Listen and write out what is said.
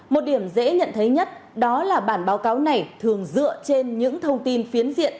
một điểm dễ nhận thấy nhất đó là bản báo cáo này thường dựa trên những thông tin phiến diện